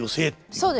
そうです。